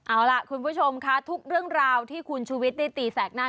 เอาล่ะคุณผู้ชมค่ะทุกเรื่องราวที่คุณชุวิตได้ตีแสกหน้า